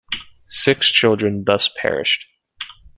Six children thus perished.